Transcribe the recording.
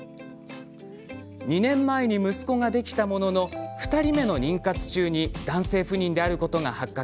２年前に息子ができたものの２人目の妊活中に男性不妊であることが発覚。